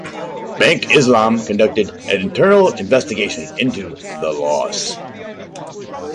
Bank Islam conducted an internal investigation into the loss.